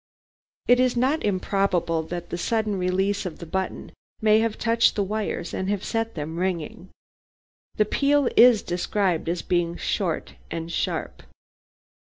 It is not improbable that the sudden release of the button may have touched the wires and have set them ringing. The peal is described as being short and sharp.